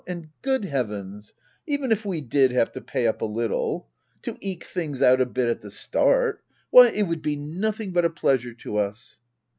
And, good heavens, even if we did have to pay up a little ! To eke things out a bit at the start ! Why, it would be nothing but a pleasure to us.